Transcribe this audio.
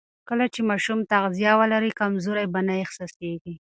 کله چې ماشوم تغذیه ولري، کمزوري به نه احساسېږي.